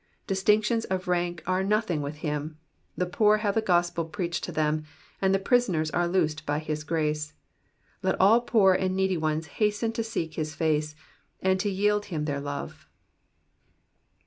Distinctions of rank are nothing with him ; the poor have the gospel preached to them, and the prisoners are loo«pd by his grace. Let all poor and needy ones hasten to seek his face, and to yield him their love.